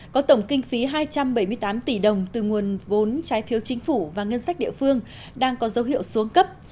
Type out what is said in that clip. có tổng kinh phí hai trăm bảy mươi tám tỷ đồng từ nguồn vốn trái phiếu chính phủ và ngân sách địa phương đang có dấu hiệu xuống cấp